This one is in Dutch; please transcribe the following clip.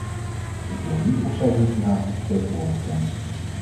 Ik weet niet of zij hier vanavond vertegenwoordigd zijn.